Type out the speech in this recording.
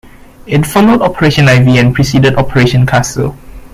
It followed "Operation Ivy" and preceded "Operation Castle".